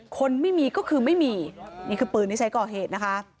คนไม่มีก็คือไม่มีนี่คือปืนที่ใช้ก่อเหตุนะคะ